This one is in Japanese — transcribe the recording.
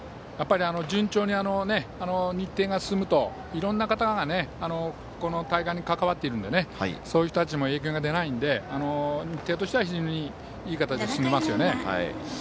順調に日程が進むといろんな方がこの大会、関わってるんでねそういう人たちにも影響が出ないので日程としては非常にいい形で進みますよね。